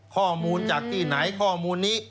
ข้อมูลจากที่ไหนข้อมูลนี้